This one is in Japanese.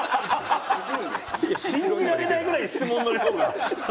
信じられないぐらい質問の量が。